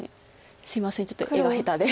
すいませんちょっと絵が下手で。